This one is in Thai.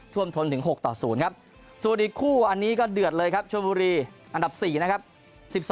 ทนถึง๖ต่อ๐ครับส่วนอีกคู่อันนี้ก็เดือดเลยครับชวนบุรีอันดับ๔นะครับ